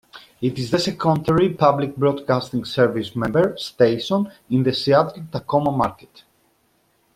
It is the secondary Public Broadcasting Service member station in the Seattle-Tacoma market.